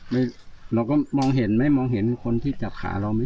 แล้วก็ถูกจับขาเราก็มองเห็นคนที่จับขาเราไม่